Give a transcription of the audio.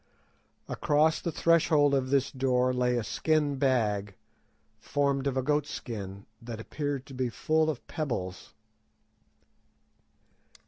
_Across the threshold of this door lay a skin bag, formed of a goat skin, that appeared to be full of pebbles.